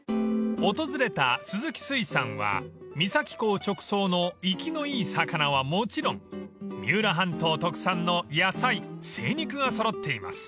［訪れた鈴木水産は三崎港直送の生きのいい魚はもちろん三浦半島特産の野菜精肉が揃っています］